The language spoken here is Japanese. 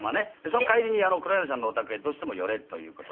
「その帰りに黒柳さんのお宅へどうしても寄れという事に」